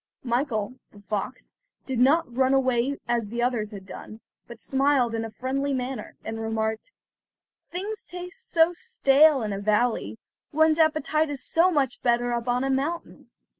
Michael, the fox, did not run away as the others had done, but smiled in a friendly manner, and remarked: "Things taste so stale in a valley; one's appetite is so much better up on a mountain."